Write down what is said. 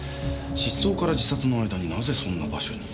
失踪から自殺の間になぜそんな場所に？